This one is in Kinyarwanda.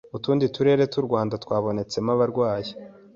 utundi turere tw’u Rwanda twabonetsemo abarwayi